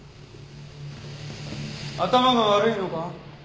頭が悪いのか？